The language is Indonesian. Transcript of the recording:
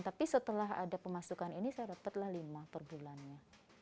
tapi setelah ada pemasukan ini saya dapatlah lima per bulannya